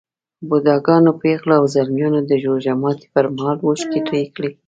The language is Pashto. بوډاګانو، پېغلو او ځلمیانو د روژه ماتي پر مهال اوښکې توی کړې.